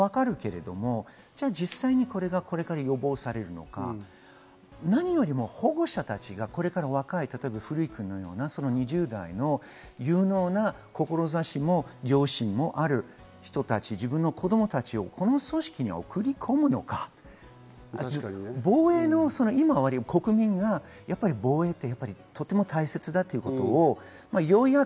それはわかるけれども、実際にこれがこれから予防されるとか、何よりも保護者たちがこれから若い古井君のような２０代の有能な志も良心もある人たち、自分の子供たちをこの組織に送り込むのか、防衛の、今いる国民が防衛ってとても大切だということ。